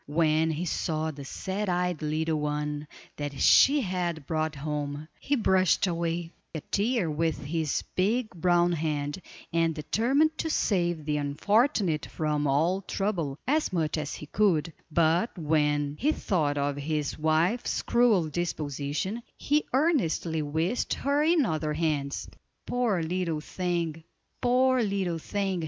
"When he saw the sad eyed little one that she had brought home, he brushed away a tear with his big brown hand, and determined to save the unfortunate from all trouble, as much as he could; but when he thought of his wife's cruel disposition, he earnestly wished her in other hands. "Poor little thing! poor little thing!"